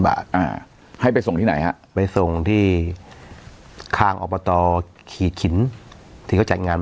บาทอ่าให้ไปส่งที่ไหนฮะไปส่งที่ข้างอบตขีดขินที่เขาจัดงาน